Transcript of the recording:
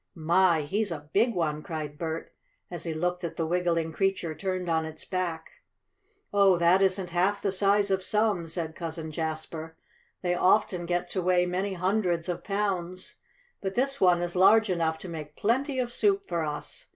"My, he's a big one!" cried Bert, as he looked at the wiggling creature turned on its back. "Oh, that isn't half the size of some," said Cousin Jasper. "They often get to weigh many hundreds of pounds. But this one is large enough to make plenty of soup for us.